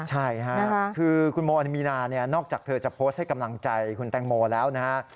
ใช่ค่ะคือคุณโมอามีนาเนี่ยนอกจากเธอจะโพสต์ให้กำลังใจคุณแตงโมแล้วนะฮะ